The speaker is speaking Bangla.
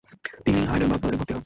তিনি হাইডেলবার্গ কলেজে ভর্তি হন।